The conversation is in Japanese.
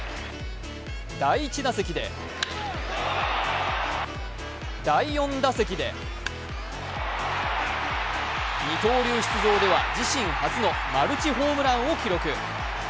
第１打席で第４打席で二刀流出場では、自身初のマルチホームランを記録。